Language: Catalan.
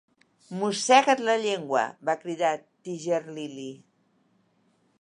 "Mossega't la llengua!" -va cridar Tiger-lily.